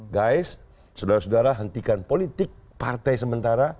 guys saudara saudara hentikan politik partai sementara